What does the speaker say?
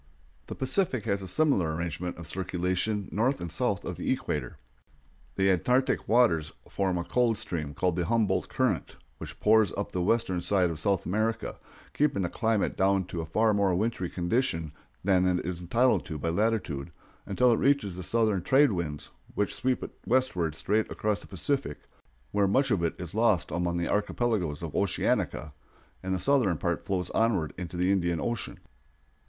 The Pacific has a similar arrangement of circulation north and south of the equator. The Antarctic waters form a cold stream named the Humboldt current, which pours up the western side of South America, keeping the climate down to a far more wintry condition than it is entitled to by latitude, until it reaches the southern trade winds, which sweep it westward straight across the Pacific, where much of it is lost among the archipelagoes of Oceanica, and the southern part flows onward into the Indian Ocean.